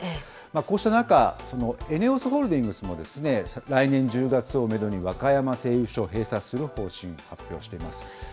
こうした中、ＥＮＥＯＳホールディングスも、来年１０月をメドに、和歌山製油所を閉鎖する方針を発表しています。